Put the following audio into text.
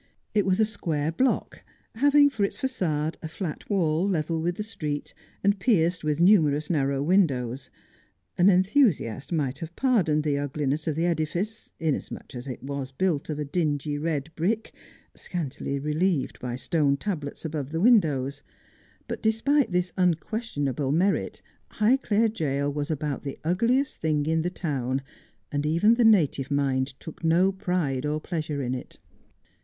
It was a square block, having for its faQade a flat wall, level with the street, and pierced with numerous narrow windows. An enthusiast might have pardoned the ugliness of the edifice, inasmuch as it was built of a dingy red brick, scantily relieved by stone tablets above the windows : but despite this unquestionable merit, Highclere jail was about the ugliest thing in the town, and even the native mind took no pride or pleasure in it.